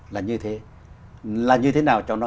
là như thế là như thế nào cho nó